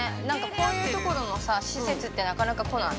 こういうところの施設って、なかなか来ない。